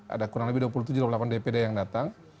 ada kurang lebih dua puluh tujuh dua puluh delapan dpd yang datang